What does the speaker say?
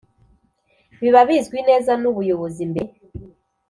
Biba bizwi neza n ubuyobozi mbere